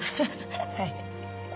はい。